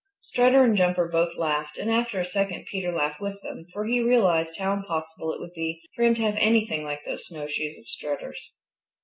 Strutter and Jumper both laughed and after a second Peter laughed with them, for he realized how impossible it would be for him to have anything like those snowshoes of Strutter's.